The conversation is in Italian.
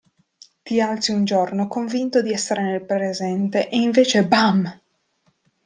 Ti alzi un giorno convinto di essere nel presente e invece bam!